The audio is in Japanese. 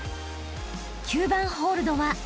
［９番ホールドは］